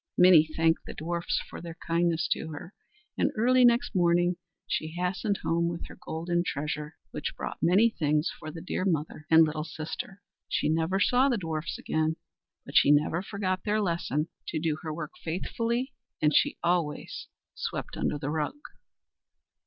Minnie thanked the dwarfs for their kindness to her; and early next morning she hastened home with her golden treasure, which bought many things for the dear mother and little sister. She never saw the dwarfs again; but she never forgot their lesson, to do her work faithfully; and she always swept under the rug.